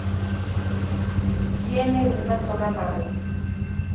Tiene una sola nave.